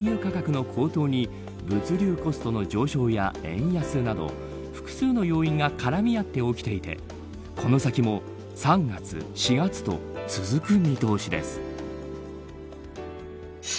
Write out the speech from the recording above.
今回の値上げの波は原材料や原油価格の高騰に物流コストの上昇や円安など複数の要因が絡み合って起きていてこの先も３月、４月と続く見通しです。